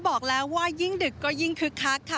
บอกแล้วว่ายิ่งดึกก็ยิ่งคึกคักค่ะ